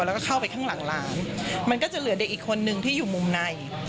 แล้วก็เข้าไปข้างหลังหลานมันก็จะเหลือเด็กอีกคนนึงที่อยู่มุมใน